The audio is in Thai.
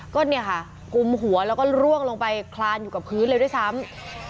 ก็เนี่ยค่ะกุมหัวแล้วก็ร่วงลงไปคลานอยู่กับพื้นเลยด้วยซ้ำ